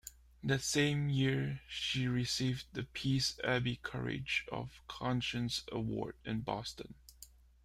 That same year she received the Peace Abbey Courage of Conscience Award in Boston.